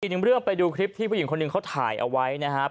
อีกหนึ่งเรื่องไปดูคลิปที่ผู้หญิงคนหนึ่งเขาถ่ายเอาไว้นะครับ